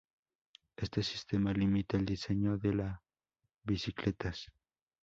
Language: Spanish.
Este sistema limita el diseño de la bicicletas.